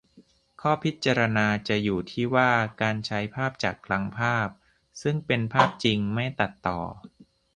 ข้อพิจารณาจะอยู่ที่ว่า การใช้ภาพจากคลังภาพ ซึ่งเป็นภาพจริง-ไม่ตัดต่อ